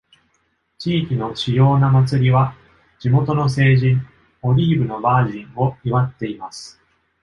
地域の主要な祭りは、地元の聖人「オリーブのバージン」を祝っています。